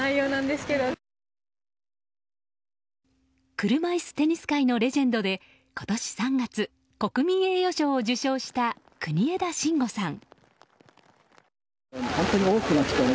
車いすテニス界のレジェンドで今年３月、国民栄誉賞を受賞した国枝慎吾さん。